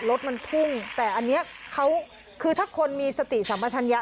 รถมันพุ่งแต่อันนี้เขาคือถ้าคนมีสติสัมปชัญญะ